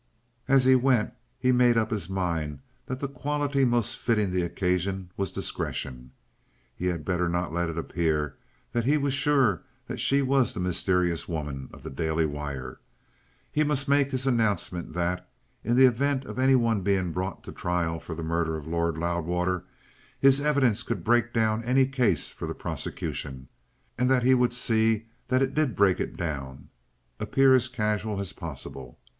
As he went he made up his mind that the quality most fitting the occasion was discretion. He had better not let it appear that he was sure that she was the mysterious woman of the Daily Wire. He must make his announcement that, in the event of any one being brought to trial for the murder of Lord Loudwater, his evidence could break down any case for the prosecution, and that he would see that it did break it down, appear as casual as possible.